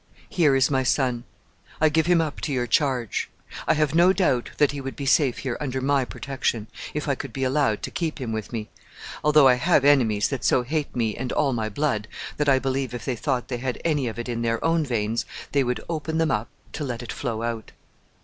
Here is my son. I give him up to your charge. I have no doubt that he would be safe here under my protection, if I could be allowed to keep him with me, although I have enemies that so hate me and all my blood, that I believe, if they thought they had any of it in their own veins, they would open them to let it flow out.